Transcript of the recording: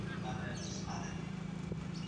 لیکل تر اورېدلو د ډېر وخت غوښتنه کوي.